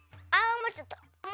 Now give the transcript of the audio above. もうちょっとだ。